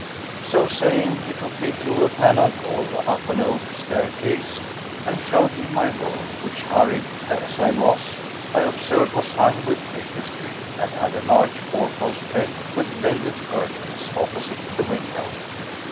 So saying, he took me through a panelled hall up an oak staircase, and showed me my room, which, hurried as I was, I observed was hung with tapestry, and had a large fourpost bed, with velvet curtains, opposite the window.